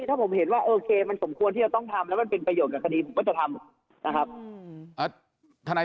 ถ้าผมเห็นว่าโอเคมันสมควรที่จะต้องทำแล้วมันเป็นประโยชน์กับคดีผมก็จะทำนะครับ